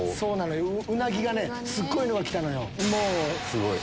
ウナギがすっごいのが来たのよ。